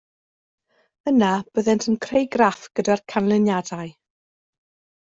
Yna, byddent yn creu graff gyda'r canlyniadau